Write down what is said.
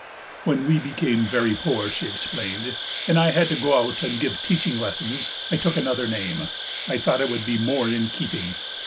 "When we became very poor," she explained, "and I had to go out and give teaching lessons, I took another name; I thought it would be more in keeping.